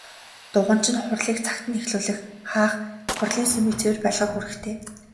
Дуганч нь хурлыг цагт нь эхлүүлэх, хаах, хурлын сүмийг цэвэр байлгах үүрэгтэй.